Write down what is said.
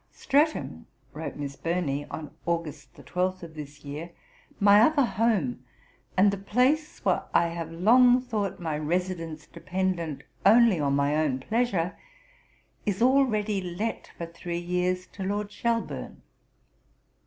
'Streatham,' wrote Miss Burney, on Aug. 12 of this year, 'my other home, and the place where I have long thought my residence dependent only on my own pleasure, is already let for three years to Lord Shelburne.' Mme.